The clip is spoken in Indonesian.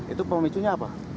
itu pemicunya apa